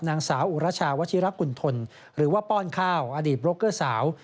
นางสาวอุรชาวชิรกุณฑลหรือว่าป้อนข้าวอดีตโบรกเกอร์สาว